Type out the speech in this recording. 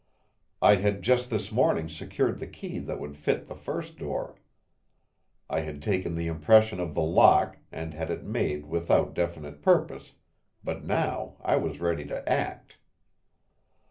I had just this morning secured the key that would fit the first door. I had taken the impression of the lock and had it made without definite purpose, but now I was ready to act.